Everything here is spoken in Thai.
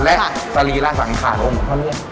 และศิลป์ศังขาดองค์พระเนื่อง